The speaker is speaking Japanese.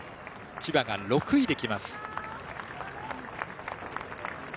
千葉が６位で来ます。